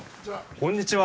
こんにちは。